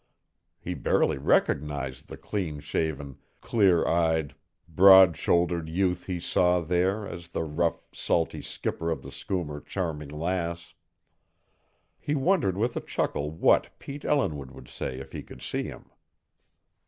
He barely recognized the clean shaven, clear eyed, broad shouldered youth he saw there as the rough, salty skipper of the schooner Charming Lass. He wondered with a chuckle what Pete Ellinwood would say if he could see him.